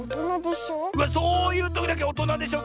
うわそういうときだけ「おとなでしょ？」